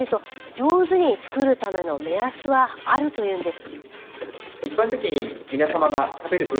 上手に作るための目安はあると言うんです。